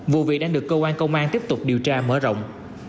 vụ việc đang được cơ quan công an tiếp tục điều tra mở rộng